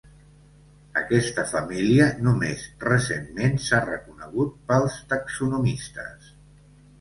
Aquesta família només recentment s'ha reconegut pels taxonomistes.